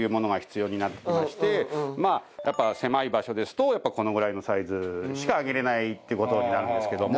やっぱ狭い場所ですとこのぐらいのサイズしかあげられないって事になるんですけども。